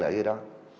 ở dưới đó